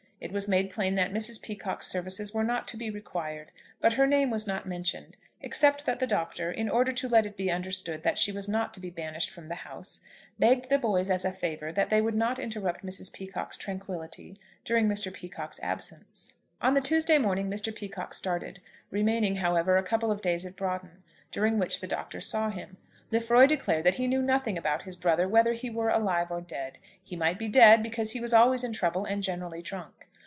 It was made plain that Mrs. Peacocke's services were not to be required; but her name was not mentioned, except that the Doctor, in order to let it be understood that she was not to be banished from the house, begged the boys as a favour that they would not interrupt Mrs. Peacocke's tranquillity during Mr. Peacocke's absence. On the Tuesday morning Mr. Peacocke started, remaining, however, a couple of days at Broughton, during which the Doctor saw him. Lefroy declared that he knew nothing about his brother, whether he were alive or dead. He might be dead, because he was always in trouble, and generally drunk.